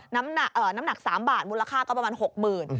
น้ำหนัก๓บาทมูลค่าก็ประมาณ๖๐๐๐บาท